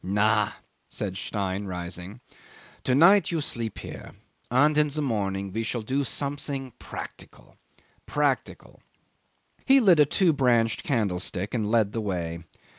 "Na!" said Stein, rising. "To night you sleep here, and in the morning we shall do something practical practical. ..." He lit a two branched candlestick and led the way.